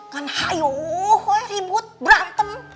kan hayo ribut berantem